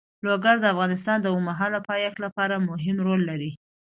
لوگر د افغانستان د اوږدمهاله پایښت لپاره مهم رول لري.